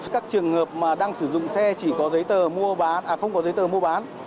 các trường hợp mà đang sử dụng xe chỉ có giấy tờ mua bán à không có giấy tờ mua bán